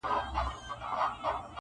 • پښې او غاړي په تارونو کي تړلي -